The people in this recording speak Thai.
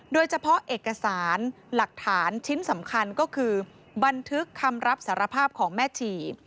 โดยเฉพาะเอกสารหลักฐานชิ้นสำคัญก็คือบันทึกคำรับสารภาพของแม่ชี